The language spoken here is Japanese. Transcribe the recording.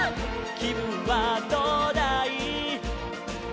「きぶんはどうだい？」